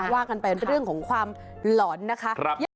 ว่ากันไปเรื่องของความหลอนนะคะ